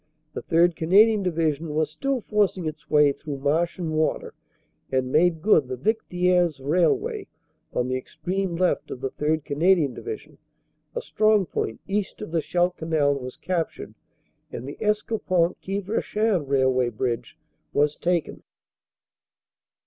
The 3rd. Canadian Division was still forcing its way through marsh and water, and made good the Vicq Thiers railway. On the extreme left of the 3rd. Cana dian Division a strong point east of the Scheldt Canal was captured and the Escaupont Quievrechain railway bridge was taken.